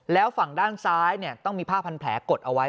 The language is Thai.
แล้วฝั่งด้านซ้ายต้องมีผ้าพันแผลกดเอาไว้